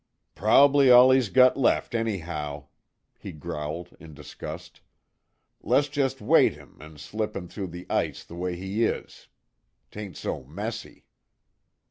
"Prob'ly all he's got left, anyhow," he growled in disgust. "Le's jest weight him an' slip him through the ice the way he is. 'Tain't so messy."